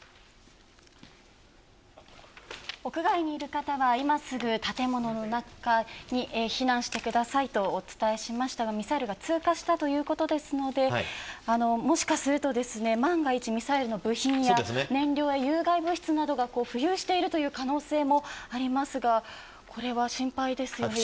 屋外にいる方は今すぐ建物の中に避難してくださいとお伝えしましたがミサイルが通過したということですので万が一、ミサイルの部品や燃料や有害物質が浮遊している可能性もありますがこれは、心配ですよね。